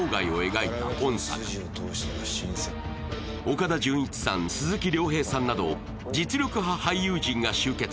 岡田准一さん、鈴木亮平さんなど実力派俳優陣が終結。